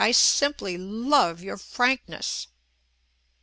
I simply love your frankness."